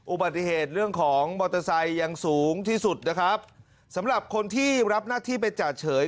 อุบัติเหตุเรื่องของมอเตอร์ไซค์ยังสูงที่สุดนะครับสำหรับคนที่รับหน้าที่เป็นจ่าเฉย